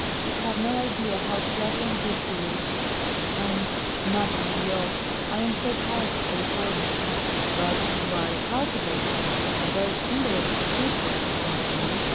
"You have no idea how clever and good he is. And Madre de Dios! I am so tired of California." "But you are a part of it the very symbol of its future, it seems to me.